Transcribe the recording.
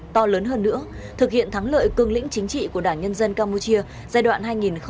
to lớn hơn nữa thực hiện thắng lợi cương lĩnh chính trị của đảng nhân dân campuchia giai đoạn hai nghìn hai mươi ba hai nghìn hai mươi tám